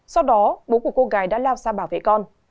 sau đó bố của cô gái đã lao ra bảo vệ con